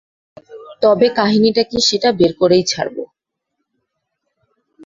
তবে, কাহিনীটা কী সেটা বের করেই ছাড়ব!